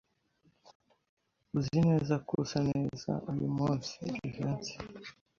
Uzi neza ko usa neza uyu munsi, Jivency.